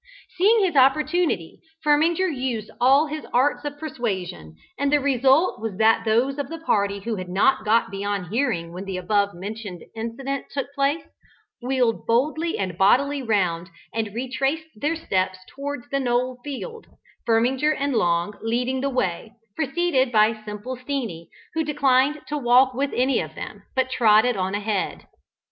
Seeing his opportunity, Firminger used all his arts of persuasion, and the result was that those of the party who had not got beyond hearing when the above mentioned incident took place, wheeled boldly and bodily round, and retraced their steps towards the knoll field, Firminger and Long leading the way, preceded by "Simple Steenie," who declined to walk with any of them, but trotted on ahead.